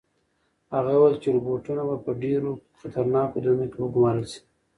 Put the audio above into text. هغه وویل چې روبوټونه به په ډېرو خطرناکو دندو کې وګمارل شي.